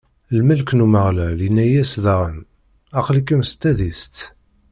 Lmelk n Umeɣlal inna-as daɣen: Aql-ikem s tadist.